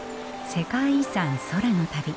世界遺産空の旅。